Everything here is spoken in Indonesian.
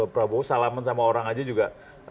prabowo salaman sama orang aja juga